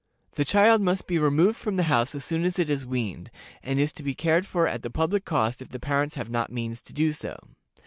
The child must be removed from the house as soon as it is weaned, and is to be cared for at the public cost if the parents have not means to do so.